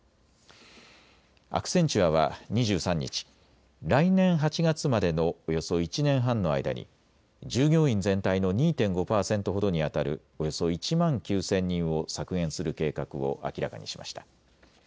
アクセンチュアは２３日、来年８月までのおよそ１年半の間に従業員全体の２．５％ほどにあたるおよそ１万９０００人を削減する計画を明らかにしました。